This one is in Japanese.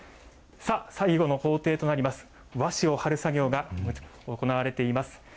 さあ、最後の工程となります、和紙を貼る作業が行われています。